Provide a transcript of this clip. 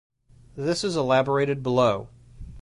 This is elaborated below.